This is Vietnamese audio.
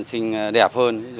xinh đẹp hơn